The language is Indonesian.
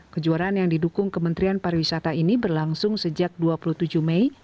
kejuaraan yang didukung kementerian pariwisata ini berlangsung sejak dua puluh tujuh mei